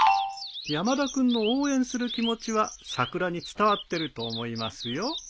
山田君の応援する気持ちは桜に伝わってると思いますよ。